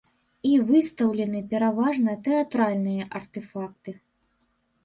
І выстаўлены пераважна тэатральныя артэфакты.